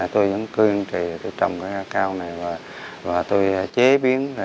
tôi vẫn cư yên trì trồng cây ca cao này và tôi chế biến